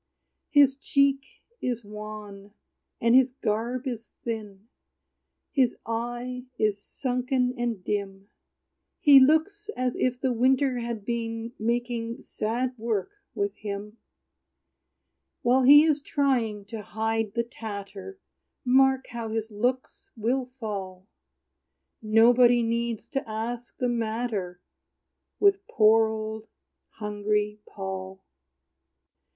His cheek is wan, and his garb is thin; His eye is sunken and dim; He looks as if the winter had been Making sad work with him. While he is trying to hide the tatter, Mark how his looks will fall! Nobody needs to ask the matter With poor, old, hungry Paul.